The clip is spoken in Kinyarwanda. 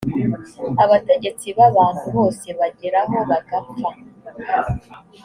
abategetsi b abantu bose bageraho bagapfa